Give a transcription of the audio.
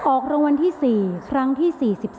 ออกรางวัลที่๔ครั้งที่๔๒